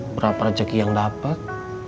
berapa rejeki yang dapet